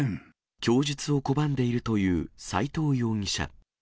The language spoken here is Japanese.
供述を拒んでいるという斎藤容疑者。